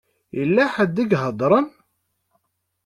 Yella ḥedd i iheddṛen.